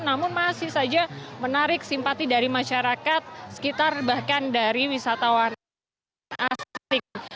namun masih saja menarik simpati dari masyarakat sekitar bahkan dari wisatawan asing